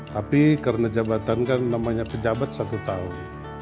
tapi karena jabatan kan namanya pejabat satu tahun